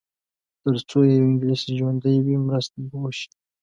تر څو یو انګلیس ژوندی وي مرسته به وشي.